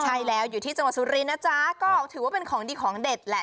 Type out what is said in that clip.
ใช่แล้วอยู่ที่จังหวัดสุรินนะจ๊ะก็ถือว่าเป็นของดีของเด็ดแหละ